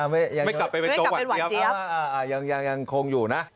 ไม่กลับไปเป็นจังหวัดเจี๊ยเพราะว่ายังคงอยู่นะ